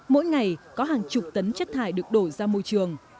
mỗi ngày có hàng chục tấn chất thải được đổ ra môi trường